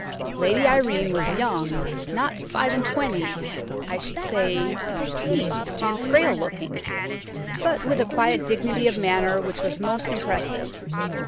Lady Irene was young–not five and twenty, I should say–petite and frail looking, but with a quiet dignity of manner which was most impressive.